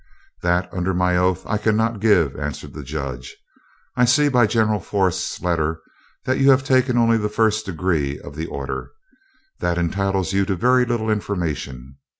"That, under my oath, I cannot give," answered the Judge. "I see by General Forrest's letter that you have taken only the first degree of the order. That entitles you to very little information.